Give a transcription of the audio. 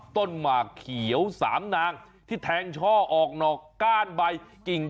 หมากเขียว๓นางที่แทงช่อออกนอกก้านใบกิ่ง